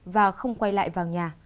và không quay lại vào nhà